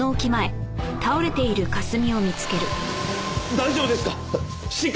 大丈夫ですか！？